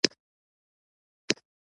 که د سیالۍ او تربورګلوۍ لپاره حج ته ځم.